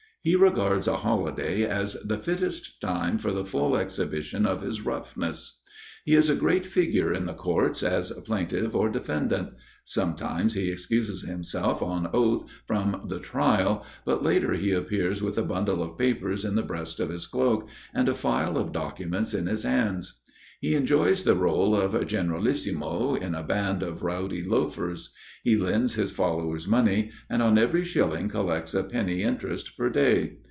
He regards a holiday as the fittest time for the full exhibition of his roughness. He is a great figure in the courts as plaintiff or defendant. Sometimes he excuses himself on oath from trial but later he appears with a bundle of papers in the breast of his cloak, and a file of documents in his hands. He enjoys the rôle of generalissimo in a band of rowdy loafers; he lends his followers money and on every shilling collects a penny interest per day.